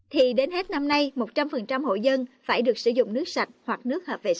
thì đến hết năm nay một trăm linh hội dân phải được sử dụng nước sạch hoặc nước hợp vệ sinh